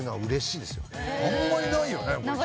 あんまりないよね。